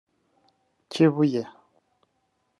Kibuye